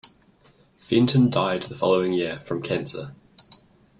Fenton died the following year from cancer.